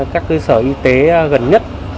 các cơ sở y tế gần nhất